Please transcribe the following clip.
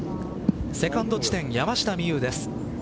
セカンド地点、山下美夢有です。